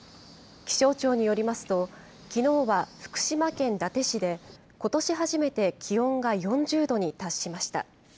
気象庁によりますと、きのうは福島県伊達市でことし初めて気温が４０度に達しました。